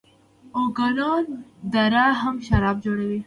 اوکاناګن دره هم شراب جوړوي.